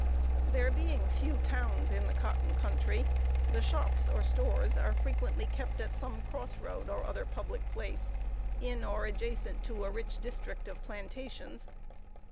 There being few towns in the cotton country, the shops, or stores, are frequently kept at some cross road, or other public place, in or adjacent to a rich district of plantations.